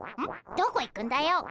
どこ行くんだよ。